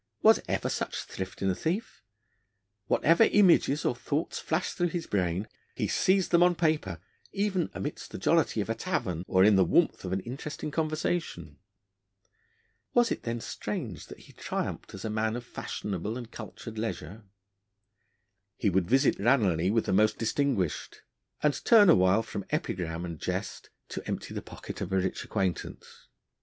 Was ever such thrift in a thief? Whatever images or thoughts flashed through his brain, he seized them on paper, even 'amidst the jollity of a tavern, or in the warmth of an interesting conversation.' Was it then strange that he triumphed as a man of fashionable and cultured leisure? He would visit Ranelagh with the most distinguished, and turn a while from epigram and jest to empty the pocket of a rich acquaintance.